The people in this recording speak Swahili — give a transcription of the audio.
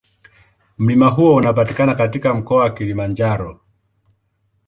Mlima huo unapatikana katika Mkoa wa Kilimanjaro.